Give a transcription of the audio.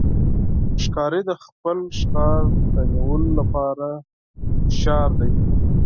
ښکاري د خپل ښکار د نیولو لپاره هوښیار دی.